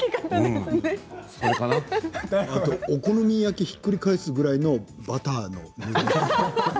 お好み焼きをひっくり返すぐらいのバターの量。